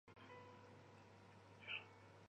紫蕊蚤缀